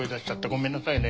ごめんなさいね。